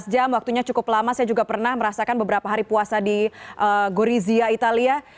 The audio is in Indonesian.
dua belas jam waktunya cukup lama saya juga pernah merasakan beberapa hari puasa di gorizia italia